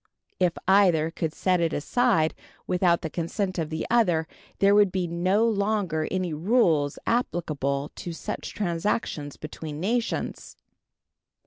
If either could set it aside without the consent of the other, there would be no longer any rules applicable to such transactions between nations.